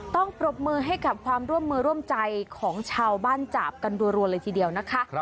ปรบมือให้กับความร่วมมือร่วมใจของชาวบ้านจาบกันรัวเลยทีเดียวนะคะ